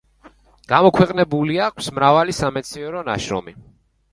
გამოქვეყნებული აქვს მრავალი სამეცნიერო ნაშრომი.